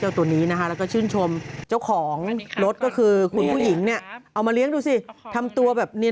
อย่างนี้ฉันเห็นฉันก็เอามาเลี้ยงนะพี่